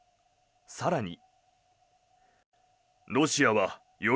更に。